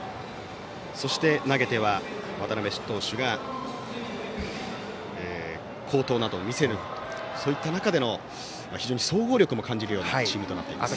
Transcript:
そして投げては渡辺投手が好投などを見せるなどそういった中での総合力も感じるようなチームとなっています。